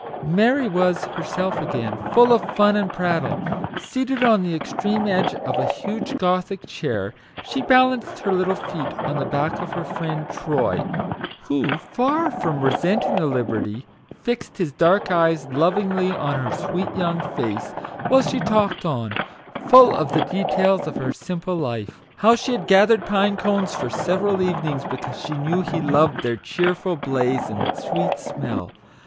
Mary was herself again, full of fun and prattle. Seated on the extreme edge of a huge Gothic chair, she balanced her little feet on the back of her friend Troy, who, far from resenting the liberty, fixed his dark eyes lovingly on her sweet young face, while she talked on, full of the details of her simple life. How she had gathered pine cones for several evenings, be cause she knew he loved their cheerful blaze and sweet smell.